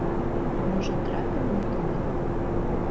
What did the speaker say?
Можа, трапіў не туды?